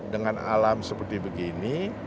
dengan alam seperti begini